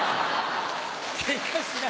ケンカしない。